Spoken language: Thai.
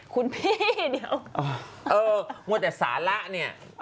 คุณพี่เดี๋ยว